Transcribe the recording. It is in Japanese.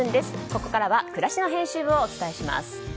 ここからは暮らしの編集部をお伝えいたします。